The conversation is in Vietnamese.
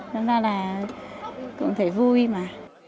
nói chung là cũng thấy vui mà